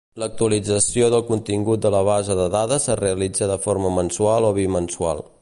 L'actualització del contingut de la base de dades es realitza de forma mensual o bimensual.